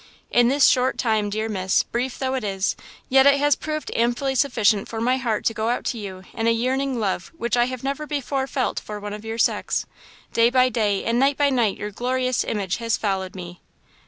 "In this short time, dear Miss, brief though it is, yet it has proved amply sufficient for my heart to go out to you in a yearning love which I have never before felt for one of your sex. Day by day and night by night your glorious image has followed me."